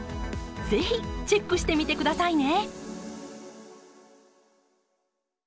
是非チェックしてみてくださいね！